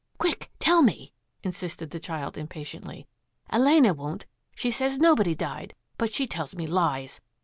" Quick, tell me !" insisted the child impatiently. " Elena won't ; she says nobody died, but she tells me lies.